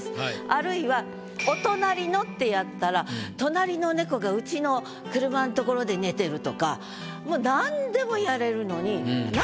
あるいは「お隣の」ってやったら隣の猫がうちの車んところで寝てるとかもうあら。